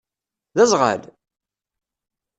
D aẓɣal?